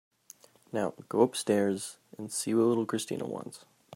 Now go upstairs and see what little Christina wants.